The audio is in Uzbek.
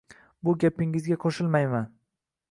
Bu gapingizga qo`shilmayman